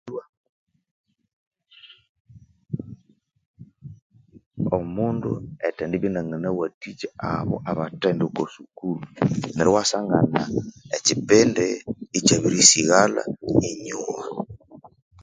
Omundu erithendibya inya nganawathikya abo abathigjenda oku sukuru neryo iwasangana ekyi pindi ikya biri sighalha enyuma